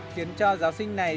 khiến cho giáo sinh này